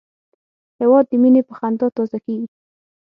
هېواد د مینې په خندا تازه کېږي.